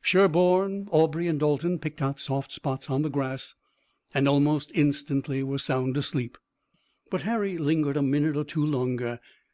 Sherburne, Aubrey and Dalton picked out soft spots on the grass and almost instantly were sound asleep, but Harry lingered a minute or two longer.